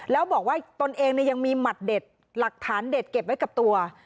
แล้วบอกว่าตนเองยังมีหมัดเด็ดหลักฐานเด็ดเก็บไว้กับตัว